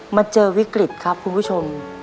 มาเจอวิกฤตครับคุณผู้ชม